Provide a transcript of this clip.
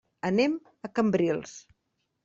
Anem a Cambrils.